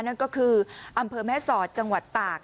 นั่นก็คืออำเภอแม่สอดจังหวัดตาก